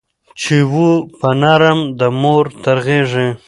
چي وو به نرم د مور تر غېږي